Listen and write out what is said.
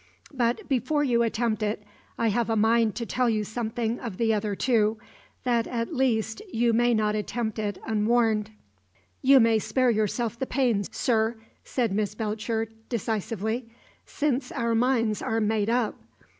But before you attempt it, I have a mind to tell you something of the other two, that at least you may not attempt it unwarned." "You may spare yourself the pains, sir," said Miss Belcher, decisively; "since our minds are made up.